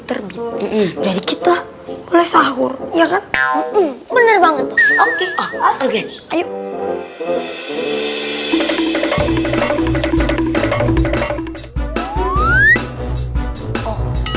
terbit jadi kita oleh sahur ya kan bener banget oke oke ayo